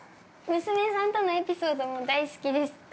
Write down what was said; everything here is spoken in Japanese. ◆娘さんとのエピソードも大好きです。